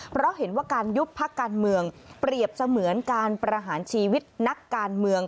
เพราะเห็นว่าการยุบพักการเมืองเปรียบเสมือนการประหารชีวิตนักการเมือง